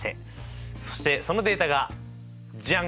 そしてそのデータがジャン！